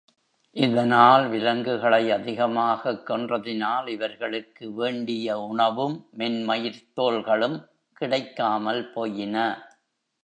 இதனால், விலங்குகளை அதிகமாகக் கொன்றதினால், இவர்களுக்கு வேண்டிய உணவும், மென்மயிர்த் தோல்களும் கிடைக்காமல் போயின.